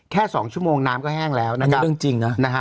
แค่๒ชั่วโมงน้ำก็แห้งแล้วนั่นก็เรื่องจริงนะนะฮะ